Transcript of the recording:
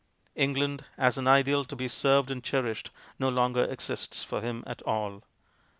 England as an ideal to be served and cherished no longer exists for him at all.